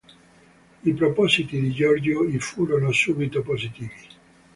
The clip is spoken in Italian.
I propositi di Giorgio I furono subito positivi.